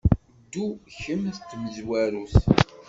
Ddu kemm d tamezwarut.